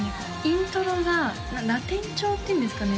イントロがラテン調っていうんですかね